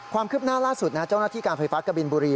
ความคืบหน้าล่าสุดนะเจ้าหน้าที่การไฟฟ้ากะบินบุรี